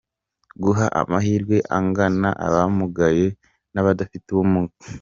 guha amahirwe angana abamugaye n’abadafite ubumuga